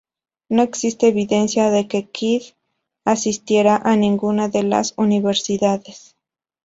No existe evidencia de que Kyd asistiera a ninguna de las universidades.